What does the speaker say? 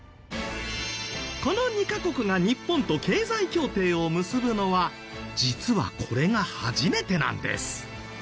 この２カ国が日本と経済協定を結ぶのは実はこれが初めてなんです。